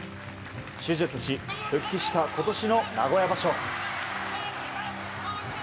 手術し復帰した今年の名古屋場所。